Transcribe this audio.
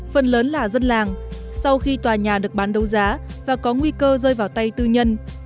phần lớn là dân làng sau khi tòa nhà được bán đấu giá và có nguy cơ rơi vào tay tư nhân